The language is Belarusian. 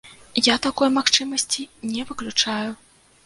Я такой магчымасці не выключаю.